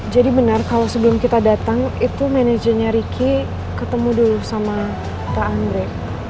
jadi bener kalo sebelum kita datang itu manajernya ricky ketemu dulu sama pak andre